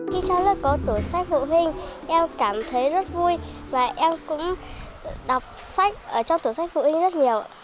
khi cho lớp có tủ sách phụ huynh em cảm thấy rất vui và em cũng đọc sách ở trong tủ sách phụ huynh rất nhiều